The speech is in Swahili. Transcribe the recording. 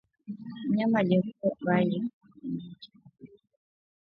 Mnyama aliyeko umbali wa mita ishirini mpaka mia mbili kutoka kwa mnyama aliyeathirika